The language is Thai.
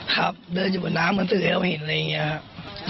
ครับเดินอยู่บนน้ำเหมือนสื่อให้เราเห็นอะไรอย่างนี้ครับ